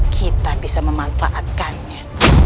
kita bisa memanfaatkannya